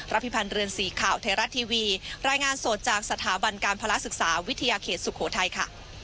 พิพันธ์เรือนสีข่าวไทยรัฐทีวีรายงานสดจากสถาบันการภาระศึกษาวิทยาเขตสุโขทัยค่ะ